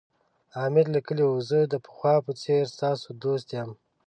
امیر لیکلي وو زه د پخوا په څېر ستاسو دوست یم.